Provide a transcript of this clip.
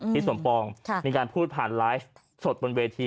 สมปองมีการพูดผ่านไลฟ์สดบนเวที